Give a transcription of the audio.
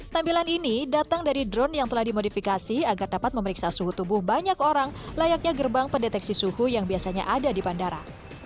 tampilan ini datang dari drone yang telah dimodifikasi agar dapat memeriksa suhu tubuh banyak orang layaknya gerbang pendeteksi suhu yang biasanya ada di bandara